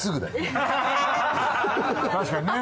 確かにね。